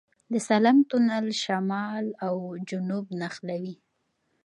د سالنګ تونل شمال او جنوب نښلوي